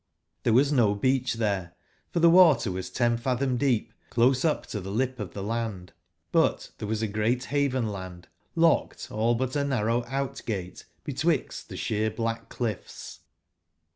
Tbere was no beacb tbere, for tbe water was ten f atbom deep close up to tbe lip of tbe land ; but tbere was a great baven land/locked all bu ta narrow out/gate betwixt tbe sbeer black cliffs.